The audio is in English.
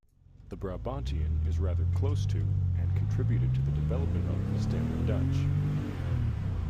The Brabantian is rather close to and contributed to the development of Standard Dutch.